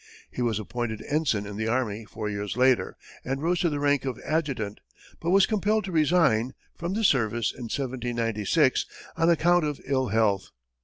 He was appointed ensign in the army four years later, and rose to the rank of adjutant, but was compelled to resign, from the service in 1796, on account of ill health.